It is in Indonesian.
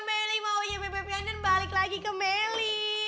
meli maunya bebek pianjen balik lagi ke meli